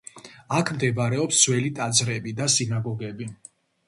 აქ მდებარეობს ძველი ტაძრები და სინაგოგები.